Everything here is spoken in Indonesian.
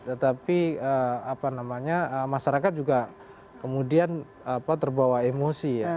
tetapi apa namanya masyarakat juga kemudian apa terbawa emosi ya